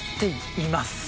「います」。